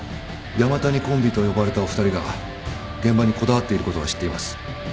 山谷コンビと呼ばれたお二人が現場にこだわっていることは知っています